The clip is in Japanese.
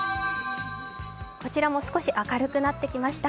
こちらも少し明るくなってきました。